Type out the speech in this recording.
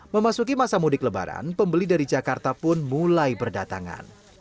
memasuki masa mudik lebaran pembeli dari jakarta pun mulai berdatangan